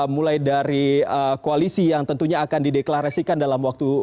mulai dari koalisi yang tentunya akan dideklarasikan dalam waktu